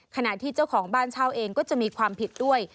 ขณะที่เจ้าของบ้านเช่าเองก็จะมีความผิดด้วย